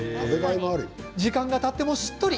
時間がたっても、しっとり。